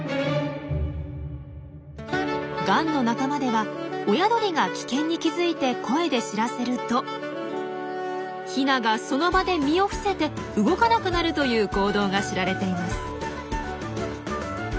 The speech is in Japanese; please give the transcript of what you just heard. ガンの仲間では親鳥が危険に気付いて声で知らせるとヒナがその場で身を伏せて動かなくなるという行動が知られています。